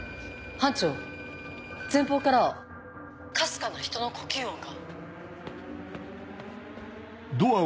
班長前方からかすかな人の呼吸音が。